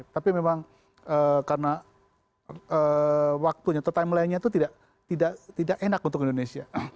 tapi memang karena waktunya atau timeline nya itu tidak enak untuk indonesia